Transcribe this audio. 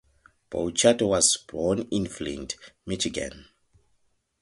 Bouchard was born in Flint, Michigan.